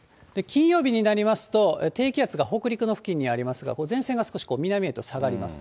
金曜日になりますと、低気圧が北陸の付近にありますが、これ、前線が少し南へと下がります。